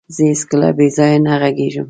زه هيڅکله بيځايه نه غږيږم.